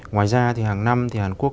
ngoài ra thì hàng năm thì hàn quốc